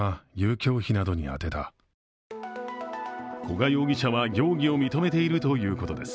古賀容疑者は容疑を認めているということです。